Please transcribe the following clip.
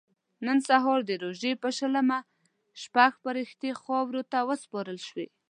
نن سهار د روژې په شلمه شپږ فرښتې خاورو ته وسپارل شوې.